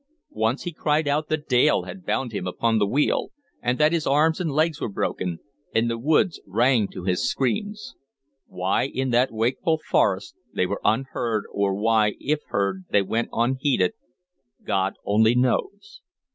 Once he cried out that Dale had bound him upon the wheel, and that his arms and legs were broken, and the woods rang to his screams. Why, in that wakeful forest, they were unheard, or why, if heard, they went unheeded, God only knows.